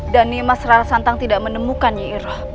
dan nimas rarasantang tidak menemukannya iroh